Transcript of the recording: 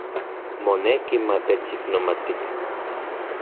Moneki matechiknomatikan.